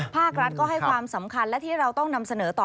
ภาครัฐก็ให้ความสำคัญและที่เราต้องนำเสนอต่อ